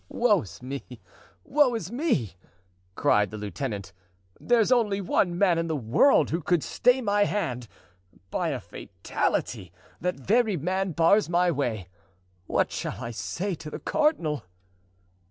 woe is me! woe is me!" cried the lieutenant; "there's only one man in the world who could stay my hand; by a fatality that very man bars my way. What shall I say to the cardinal?"